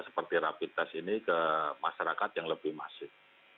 seperti rapid test ini ke masyarakat yang lebih masif